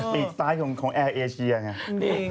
ปีกซ้ายของแอร์เอเชียไง